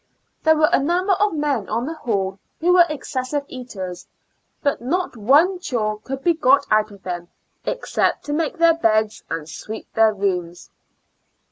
There were a number of men on the hall who were excessive eaters, but not one chore could 11 152 ^^^ Years and Fo ur Months be got out of them, except to make their beds and sweep their rooms.